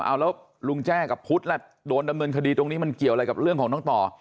เอาแล้วลุงแจ้กับพุทธล่ะโดนดำเนินคดีตรงนี้มันเกี่ยวอะไรกับเรื่องของน้องต่อ